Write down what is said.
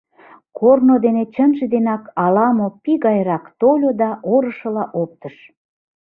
Корно дене чынже денак ала-мо пий гайрак тольо да орышыла оптыш.